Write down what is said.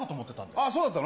ああ、そうだったの？